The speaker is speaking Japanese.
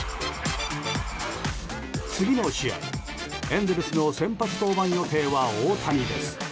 次の試合、エンゼルスの先発登板予定は大谷です。